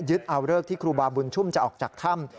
เอาเลิกที่ครูบาบุญชุมจะออกจากถ้ำ